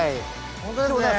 本当ですね。